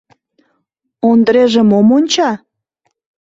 — Ондреже мом онча?